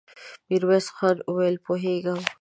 ميرويس خان وويل: پوهېږم.